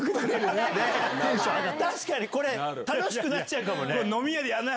確かにこれ楽しくなっちゃうかもね。